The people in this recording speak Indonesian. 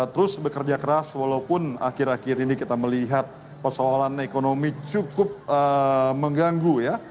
terus bekerja keras walaupun akhir akhir ini kita melihat persoalan ekonomi cukup mengganggu ya